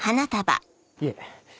いえ。